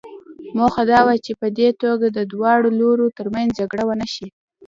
موخه دا وه چې په دې توګه د دواړو لورو ترمنځ جګړه ونه شي.